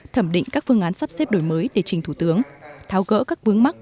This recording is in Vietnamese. thẩm định các phương án sắp xếp đổi mới để trình thủ tướng tháo gỡ các vướng mắt